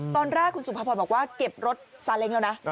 ตอนแรกคุณสุภาพรบอกว่าเก็บรถซาเล้งแล้วนะ